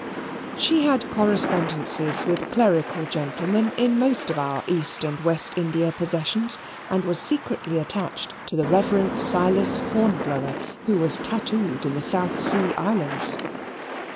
She had correspondences with clerical gentlemen in most of our East and West India possessions; and was secretly attached to the Reverend Silas Hornblower, who was tattooed in the South Sea Islands.